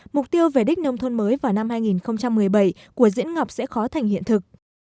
mục tiêu về đích nông thôn mới vào năm hai nghìn một mươi bảy của diễn ngọc sẽ khó thành hiện thực